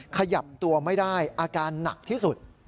ขยับตัวไม่ได้อาการหนักที่สุด